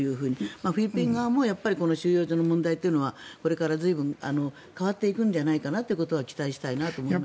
フィリピン側も収容所の問題というのはこれから随分変わっていくんじゃないかなということは期待したいと思います。